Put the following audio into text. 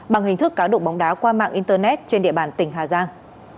bằng hình thức cá độ bóng đá qua mạng internet trên địa bàn tỉnh hà giang